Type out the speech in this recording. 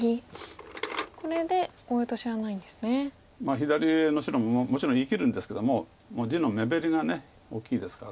左上の白ももちろん生きるんですけども地の目減りが大きいですから。